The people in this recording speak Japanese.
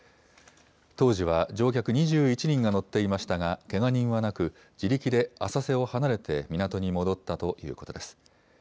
当時は乗客２１人が乗っていましたが、けが人はなく、自力で浅瀬を離れて港に戻ったということです。